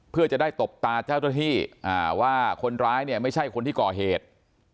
เพื่อจะได้ตบตาเจ้าหน้าที่ว่าคนร้ายเนี่ยไม่ใช่คนที่ก่อเหตุ